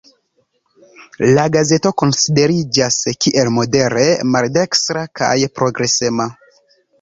La gazeto konsideriĝas kiel modere maldekstra kaj progresema.